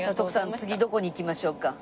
次どこに行きましょうか？